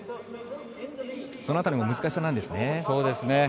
その辺りも難しさなんですね。